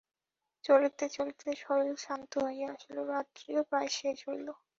চলিতে চলিতে শরীর শ্রান্ত হইয়া আসিল, রাত্রিও প্রায় শেষ হইল।